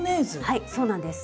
はいそうなんです。